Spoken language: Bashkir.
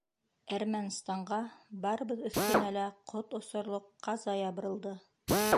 —...Әрмәнстанға, барыбыҙ өҫтөнә лә ҡот осорлоҡ ҡаза ябырылды.